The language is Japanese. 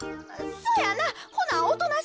そやな。